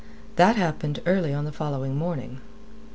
That happened early on the following morning.